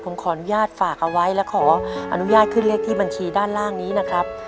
ผมขออนุญาตฝากเอาไว้และขออนุญาตขึ้นเลขที่บัญชีด้านล่างนี้นะครับ